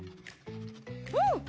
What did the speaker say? うん！